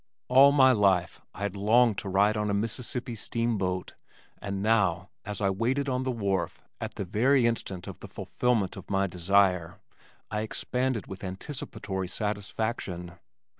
All my life I had longed to ride on a Mississippi steamboat, and now, as I waited on the wharf at the very instant of the fulfillment of my desire, I expanded with anticipatory satisfaction.